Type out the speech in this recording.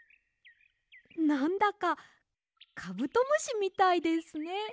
なんだかカブトムシみたいですね。